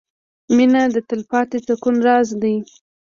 • مینه د تلپاتې سکون راز دی.